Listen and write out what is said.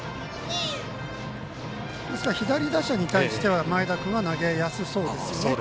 左打者に対しては前田君は、投げやすそうですよね。